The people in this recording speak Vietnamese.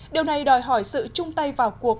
điều này đòi hỏi sự chung tay vào cuộc